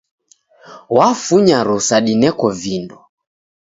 Wafunya rusa dineko vindo.